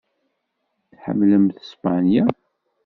Tḥemmlemt Spanya?